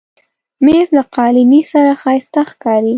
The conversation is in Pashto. مېز له قالینې سره ښایسته ښکاري.